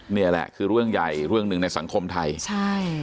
นี่แหละคือเรื่องใหญ่เรื่องหนึ่งในสังคมไทยใช่